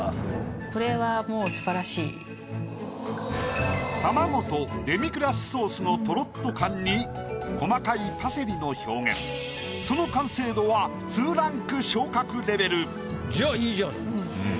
これはもう卵とデミグラスソースのトロッと感に細かいパセリの表現その完成度はじゃあいいじゃない。